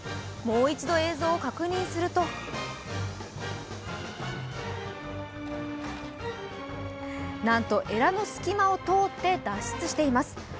もう一度映像を確認するとなんとえらの隙間を通って脱出しています。